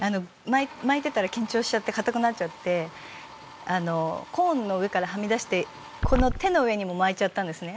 巻いてたら緊張しちゃってかたくなっちゃってコーンの上からはみ出して手の上にも巻いちゃったんですね。